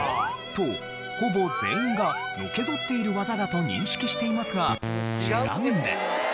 とほぼ全員がのけぞっている技だと認識していますが違うんです。